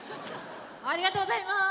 ありがとうございます。